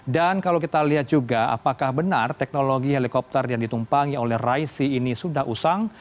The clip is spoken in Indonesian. dan kalau kita lihat juga apakah benar teknologi helikopter yang ditumpangi oleh raisi ini sudah usang